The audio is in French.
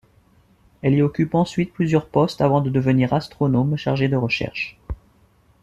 Elle y occupe ensuite plusieurs postes avant de devenir astronome chargée de recherche.